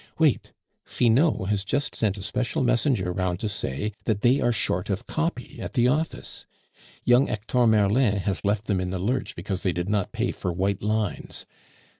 Wait! Finot has just sent a special messenger round to say that they are short of copy at the office. Young Hector Merlin has left them in the lurch because they did not pay for white lines.